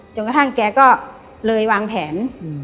กระทั่งแกก็เลยวางแผน